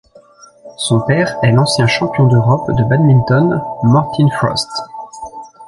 Son père est l'ancien champion d'Europe de badminton Morten Frost.